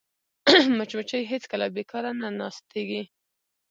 مچمچۍ هېڅکله بیکاره نه ناستېږي